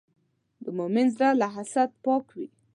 د مؤمن زړه له حسد پاک وي.